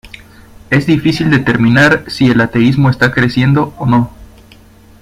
Es difícil determinar si el ateísmo está creciendo o no.